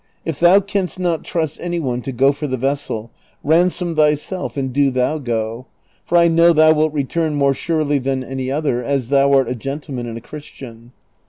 If thou canst not trust any one to go for the vessel, ransom thyself and do thou go, for I know thou wilt re turn more surely than any other, as thou art a gentleman and a Christian.